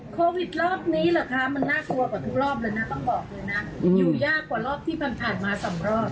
โควิดรอบนี้เหรอคะมันน่ากลัวกว่าทุกรอบเลยนะต้องบอกเลยนะอยู่ยากกว่ารอบที่ผ่านมาสองรอบ